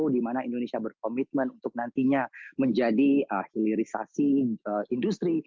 di mana indonesia berkomitmen untuk nantinya menjadi hilirisasi industri